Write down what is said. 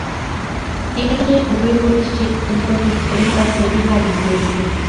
এ নিয়ে হইহই হতে শেষ পর্যন্ত ফের তাঁকে তিহার জেলে যেতে হয়েছে।